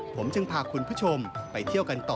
ผมจึงพาคุณผู้ชมไปเที่ยวกันต่อ